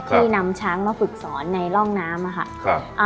ที่นำช้างมาฝึกสอนในร่องน้ำค่ะ